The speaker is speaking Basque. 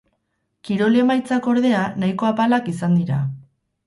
Kirol emaitzak ordea nahiko apalak izan dira.